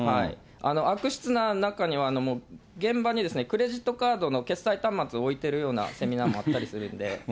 悪質な中には、現場にクレジットカードの決済端末を置いてるようなセミナーもあったりするんで。